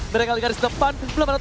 mereka di garis depan